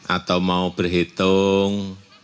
atau mau berhitung